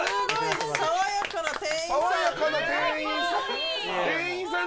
爽やかな店員さん。